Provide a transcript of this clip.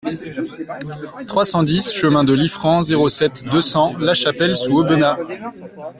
trois cent dix chemin de Liffrand, zéro sept, deux cents, Lachapelle-sous-Aubenas